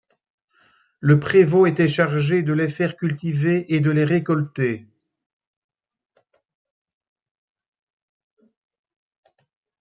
Le prévôt était chargé de les faire cultiver et de les récolter.